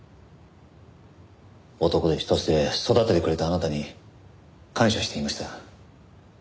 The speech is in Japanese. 男手一つで育ててくれたあなたに感謝していました。